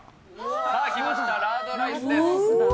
さあ来ました、ラードライスです。